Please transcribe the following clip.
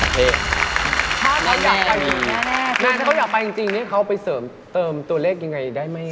แม่ถ้าเขาอยากไปจริงเนี่ยเขาไปเสริมเติมตัวเลขยังไงได้ไหม